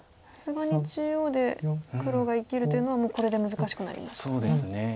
さすがに中央で黒が生きるというのはもうこれで難しくなりましたね。